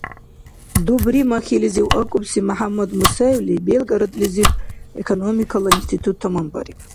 Дубримахьилизив акӀубси МяхӀяммад Мусаевли Белгородлизиб экономикала институт таманбариб.